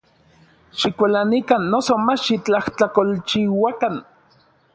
Xikualanikan, noso mach xitlajtlakolchiuakan.